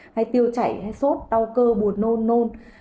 hay tiêu chảy hay sốt đau cơ bột nôn nôn